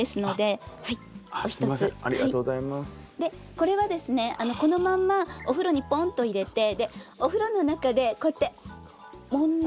これはですねこのまんまお風呂にポンと入れてお風呂の中でこうやってもんで。